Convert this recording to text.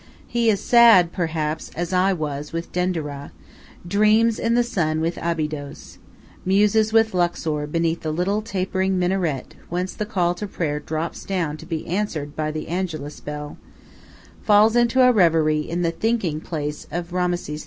He is sad, perhaps, as I was with Denderah; dreams in the sun with Abydos; muses with Luxor beneath the little tapering minaret whence the call to prayer drops down to be answered by the angelus bell; falls into a reverie in the "thinking place" of Rameses II.